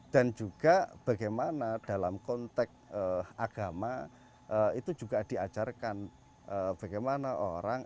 dan juga bagaimana dalam konteks agama itu juga diajarkan bagaimana orang